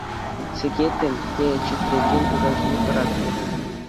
Сикеттӗм те чӗтрекен ура ҫине тӑраттӑм.